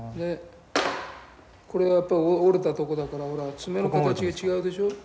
これはやっぱ折れたとこだから爪の形が違うでしょ。